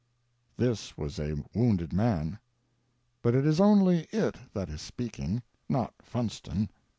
(This was a wounded man.) But it is only It that is speaking, not Funston.